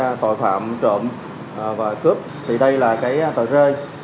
tòa án tội phạm trộm và cướp thì đây là cái tòa rơi